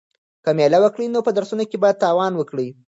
که مېله وکړې نو په درسونو کې به تاوان وکړې.